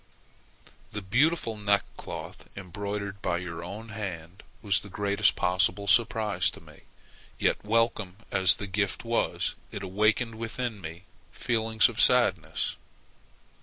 The beautiful neckcloth, embroidered by your own hand, was the greatest possible surprise to me; yet, welcome as the gift was, it awakened within me feelings of sadness.